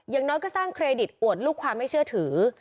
อย่างน้อยก็สร้างเครดิตอวดลูกความไม่เชื่อถือ